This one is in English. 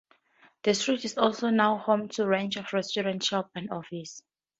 The street is also now home to a range of restaurants, shops and offices.